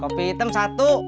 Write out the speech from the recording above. kopi hitam satu